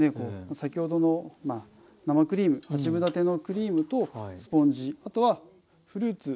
先ほどの生クリーム八分立てのクリームとスポンジあとはフルーツ。